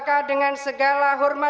dan dengan pemerintah yang berkembang